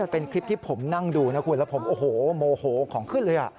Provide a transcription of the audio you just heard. เป็นคลิปที่ผมนั่งดูนะคุณแล้วผมโอ้โหโมโหของขึ้นเลย